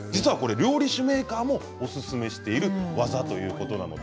料理酒メーカーもおすすめしている技だということです。